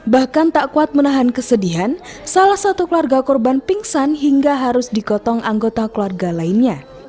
bahkan tak kuat menahan kesedihan salah satu keluarga korban pingsan hingga harus dikotong anggota keluarga lainnya